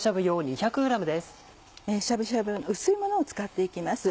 しゃぶしゃぶ用の薄いものを使って行きます。